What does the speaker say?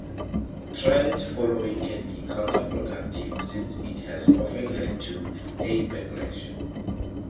Trend following can be counter-productive, since it has often led to a backlash.